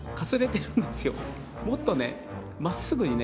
もっとね真っ直ぐにね